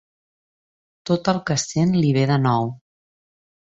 Tot el que sent li ve de nou.